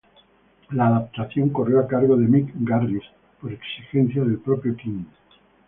La adaptación corrió a cargo de Mick Garris por exigencia del propio King.